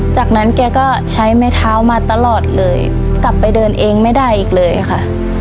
จากนั้นแกก็ใช้ไม้เท้ามาตลอดเลยกลับไปเดินเองไม่ได้อีกเลยค่ะ